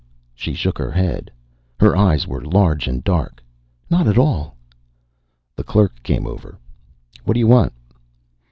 She shook her head. Her eyes were large and dark. "Not at all." The clerk came over. "What do you want?"